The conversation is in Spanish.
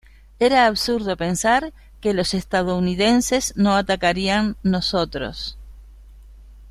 Era absurdo pensar que los estadounidenses no atacarían nosotros.